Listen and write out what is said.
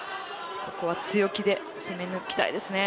ここは強気で攻め抜きたいですね。